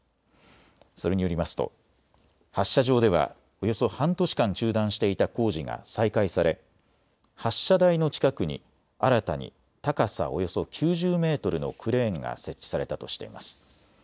それによりますと発射場ではおよそ半年間、中断していた工事が再開され発射台の近くに新たに高さおよそ９０メートルのクレーンが設置されたとしています。